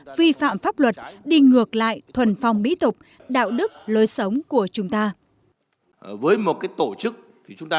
vi phạm pháp luật đi ngược lại thuần phong mỹ tục đạo đức lối sống của chúng ta